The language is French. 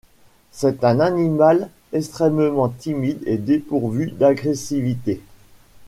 C'est un animal extrêmement timide et dépourvu d'agressivité.